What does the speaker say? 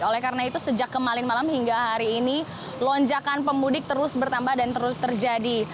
oleh karena itu sejak kemalin malam hingga hari ini lonjakan pemudik terus bertambah dan terus terjadi